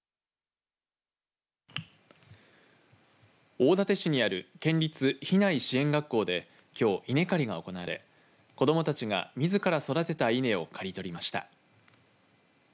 大館市にある県立比内支援学校できょう稲刈りが行われ子どもたちがみずから育てた稲を刈り取りました。